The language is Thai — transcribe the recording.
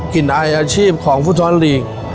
กลิ่นอายอาชีพของฟุตซอร์ฟเลยค